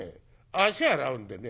足洗うんでね